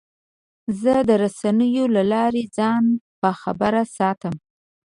زه د رسنیو له لارې ځان باخبره ساتم.